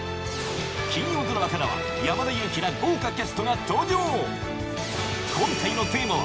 金曜ドラマからは山田裕貴ら豪華キャストが登場